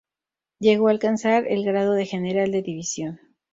Llegó a alcanzar el grado de General de División.